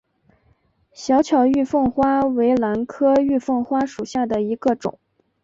小巧玉凤花为兰科玉凤花属下的一个种。